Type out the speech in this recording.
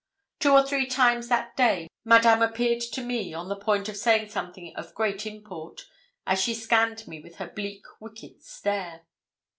Two or three times that day Madame appeared to me on the point of saying something of grave import, as she scanned me with her bleak wicked stare.